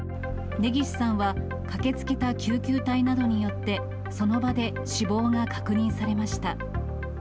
根岸さんは駆けつけた救急隊などによって、その場で死亡が確認されました。